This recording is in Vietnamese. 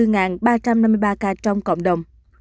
ghi nhận bốn ba trăm năm mươi ba ca trong cộng đồng